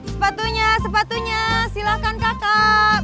sepatunya sepatunya silahkan kakak